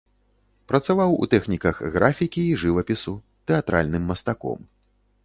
Працаваў у тэхніках графікі і жывапісу, тэатральным мастаком.